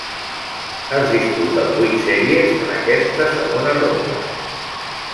Es disputen vuit sèries en aquesta segona ronda.